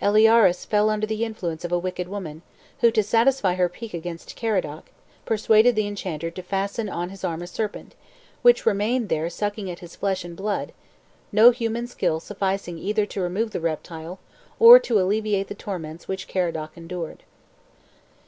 Eliaures fell under the influence of a wicked woman, who, to satisfy her pique against Caradoc, persuaded the enchanter to fasten on his arm a serpent, which remained there sucking at his flesh and blood, no human skill sufficing either to remove the reptile or alleviate the torments which Caradoc endured.